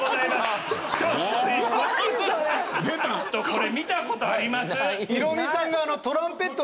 これ見たことあります？